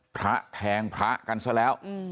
พระแทงพระกันซะแล้ว